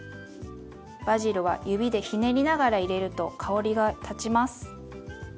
バジルは指でひねりながら入れると香りが立ちます。